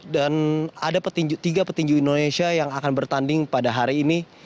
dan ada tiga petinju indonesia yang akan bertanding pada hari ini